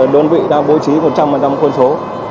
đơn vị đang bố trí một trăm linh khuôn số